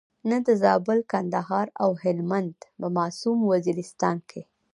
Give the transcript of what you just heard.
نه د زابل، کندهار او هلمند په معصوم وزیرستان کې.